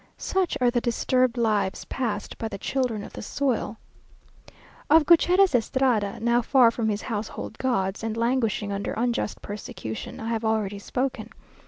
Such are the disturbed lives passed by the "children of the soil." Of Gutierrez Estrada, now far from his household gods, and languishing under unjust persecution, I have already spoken.